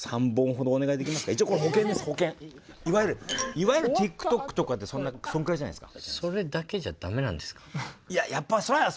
いわゆるＴｉｋＴｏｋとかってそんくらいじゃないですか。